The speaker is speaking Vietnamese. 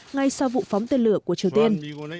ngay sau vụ phóng tên lửa của triều tiên